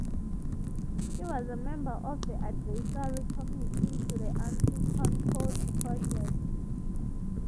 He was a member of the advisory committee to the Anti-Concorde Project.